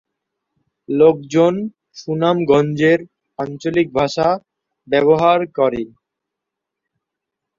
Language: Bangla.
লোকজন সুনামগঞ্জের আঞ্চলিক ভাষা ব্যবহার করে।